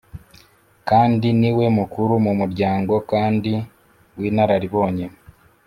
kandi ni wemukuru mu muryango kandi w’inararibonye